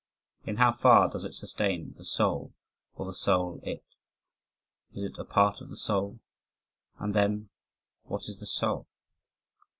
In how far does it sustain the soul or the soul it? Is it a part of the soul? And then what is the soul?